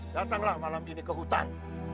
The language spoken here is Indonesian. datanglah malam ini ke hutan